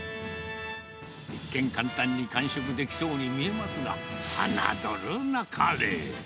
一見、簡単に完食できそうに見えますが、侮るなかれ。